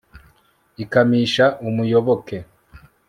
ikamisha umuyoboke